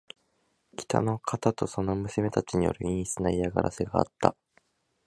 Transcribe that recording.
北の方とその娘たちによる陰湿な嫌がらせがあった。